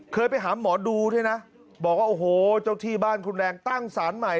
เคยไปหาหมอดูด้วยนะบอกว่าโอ้โหเจ้าที่บ้านคุณแรงตั้งสารใหม่